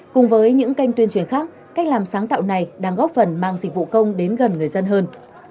cùng với những kênh tuyên truyền khác cách làm sáng tạo này đang góp phần mang dịch vụ công đến gần người dân hơn